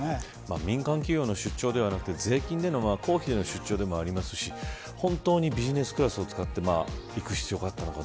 民間企業の出張ではなくて公費での出張でもありますし本当にビジネスクラスを使って行く必要があったのか。